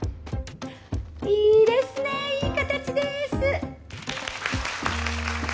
いいですねいい形です。